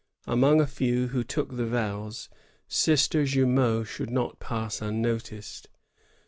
Among a few who took the vows, Sister Jumeau should not pass unnoticed.